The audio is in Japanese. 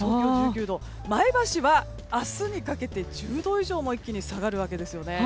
前橋は明日にかけて１０度以上も一気に下がるわけですね。